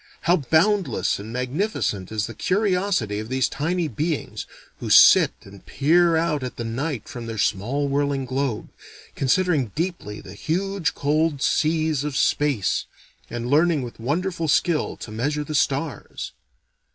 How boundless and magnificent is the curiosity of these tiny beings, who sit and peer out at the night from their small whirling globe, considering deeply the huge cold seas of space, and learning with wonderful skill to measure the stars.